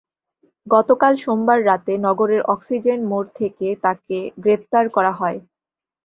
গতকাল সোমবার রাতে নগরের অক্সিজেন মোড় থেকে তাঁকে গ্রেপ্তার করা হয়।